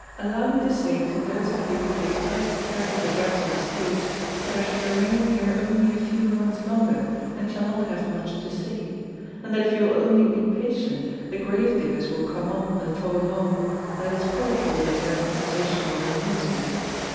Allow me to say to those of you who dislike tragic events on the stage, that I shall remain here only a few moments longer, and shall not have much to say; and that if you will only be patient, the grave diggers will come on before long, and it is probable that their conversation will amuse you."